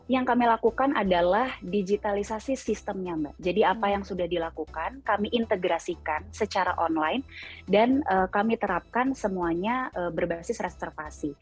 yang kami lakukan adalah digitalisasi sistemnya mbak jadi apa yang sudah dilakukan kami integrasikan secara online dan kami terapkan semuanya berbasis reservasi